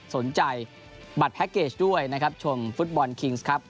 สนใจบัตรแพ็คเกจด้วยนะครับชมฟุตบอลคิงส์ครับ